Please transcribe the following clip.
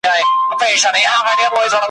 هر انسان لره معلوم خپل عاقبت وي `